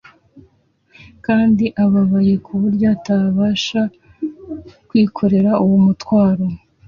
kandi ababaye ku buryo atabasha kwikorera uwo mutwaro.